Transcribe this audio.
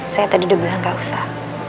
saya tadi udah bilang gak usah